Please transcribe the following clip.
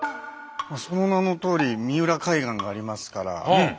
その名のとおり三浦海岸がありますから。